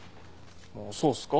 そうっすか？